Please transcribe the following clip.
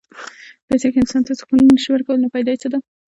پېسې که انسان ته سکون نه شي ورکولی، نو فایده یې څه ده؟